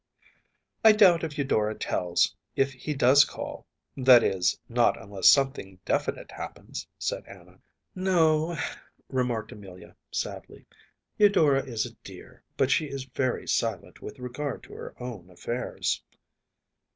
“I doubt if Eudora tells, if he does call that is, not unless something definite happens,‚ÄĚ said Anna. ‚ÄúNo,‚ÄĚ remarked Amelia, sadly. “Eudora is a dear, but she is very silent with regard to her own affairs.